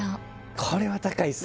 これは高いっすね